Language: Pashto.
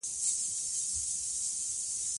هره ورځ څو دقیقې ګړندی قدم وهل کافي دي.